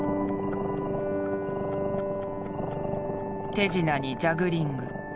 手品にジャグリング。